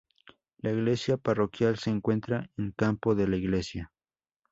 La iglesia parroquial se encuentra en Campo de la Iglesia.